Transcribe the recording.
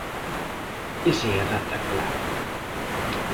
Esa é a data clave.